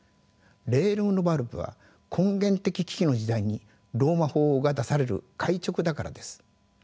レールム・ノヴァルムは根源的危機の時代にローマ法王が出される回勅だからです。